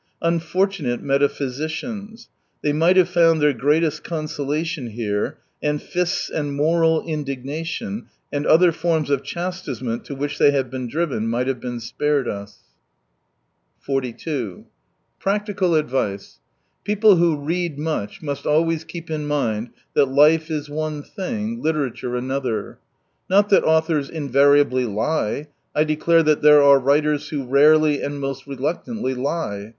Unfortunate metaphysicians ! They might have found their greatest conso lation here, and fists and moral indignation and other forms of chastisement to which they have been driven might have been spared us 222 42 Practical advice. — People who read much must always keep it in raind that life is one thing, literature another. Not that authors invariably lie. I declare that there are writers who rarely and most reluctantly lie.